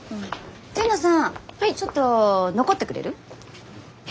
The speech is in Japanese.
神野さんちょっと残ってくれる？え。